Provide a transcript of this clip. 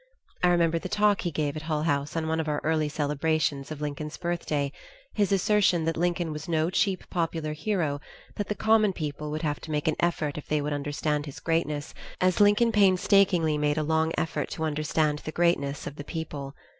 I remember the talk he gave at Hull House on one of our early celebrations of Lincoln's birthday, his assertion that Lincoln was no cheap popular hero, that the "common people" would have to make an effort if they would understand his greatness, as Lincoln painstakingly made a long effort to understand the greatness of the people.